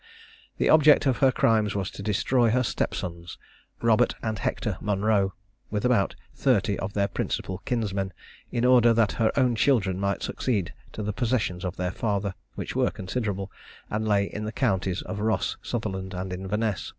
The object of her crimes was to destroy her step sons, Robert and Hector Monro, with about thirty of their principal kinsmen, in order that her own children might succeed to the possessions of their father, which were considerable, and lay in the counties of Ross, Sutherland, and Inverness.